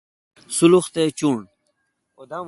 سلُخ تہ چُݨ۔